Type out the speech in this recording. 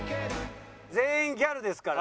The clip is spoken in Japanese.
全員ギャルですから。